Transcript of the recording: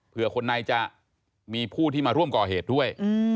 เพื่อคนในจะมีผู้ที่มาร่วมก่อเหตุด้วย